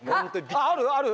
あるある？